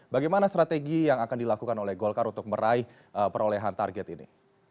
bagaimana strategi yang akan dilakukan oleh golkar untuk meraih perolehan target ini